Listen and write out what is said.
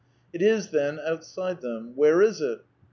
It is, then, outside them. Where is it